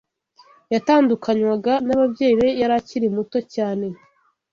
yatandukanywaga n’ababyeyi be yari akiri muto cyane